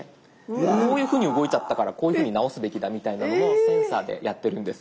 こういうふうに動いちゃったからこういうふうに直すべきだみたいなのもセンサーでやってるんです。